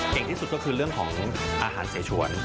ที่สุดก็คือเรื่องของอาหารเสชวน